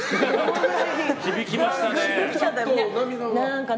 響きましたね。